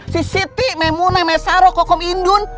si siti memunah mesaro kokom indun